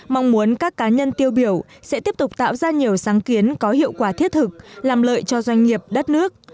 mong muốn các cá nhân tiêu biểu sẽ tiếp tục tạo ra nhiều sáng kiến có hiệu quả thiết thực làm lợi cho doanh nghiệp đất nước